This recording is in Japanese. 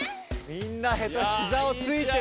みんなひざをついてる。